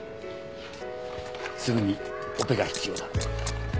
すぐにオペが必要だ！